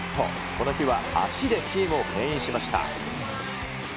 この日は足でチームをけん引しました。